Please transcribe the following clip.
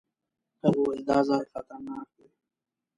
هغه وويل دا ځای خطرناک دی.